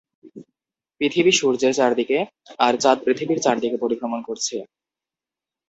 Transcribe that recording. পৃথিবী সূর্যের চারদিকে আর চাঁদ পৃথিবীর চারদিকে পরিভ্রমণ করছে।